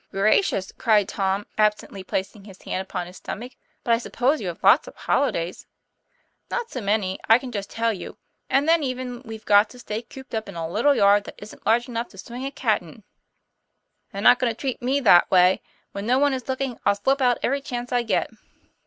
'Gracious!" cried Tom, absently placing his hand upon his stomach. " But I suppose you have lots of holidays?" ' Not so many, I can just tell you; and then even we've got to stay cooped up in a little yard that isn't large enough to swing a cat in." 'They're not going to treat me that way. When no one is looking I'll slip out every chance I get."